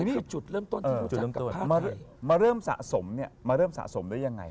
นี่จุดเริ่มต้นมาเริ่มสะสมเนี่ยมาเริ่มสะสมได้ยังไง